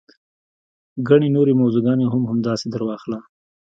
ګڼې نورې موضوع ګانې هم همداسې درواخله.